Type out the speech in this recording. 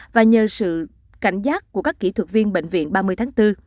và nhờ sự cảnh giác của các kỹ thuật viên bệnh viện ba mươi tháng bốn